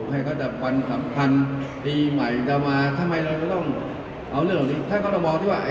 ให้จะกระปันดีกะใหม่เหมือนกันมาเอาเรื่องหล่อกลีนไทนก็ต้องมองดิว่า